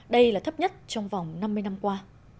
đây là thấp nhất trong vòng năm mươi năm qua